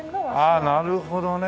ああなるほどね。